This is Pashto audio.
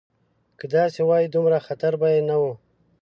که داسې وای دومره خطر به یې نه و.